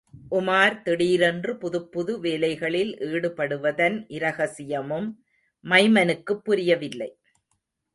உமார் திடீரென்று புதுப்புது வேலைகளில் ஈடுபடுவதன் இரகசியமும் மைமனுக்குப் புரியவில்லை.